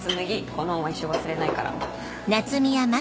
この恩は一生忘れないから。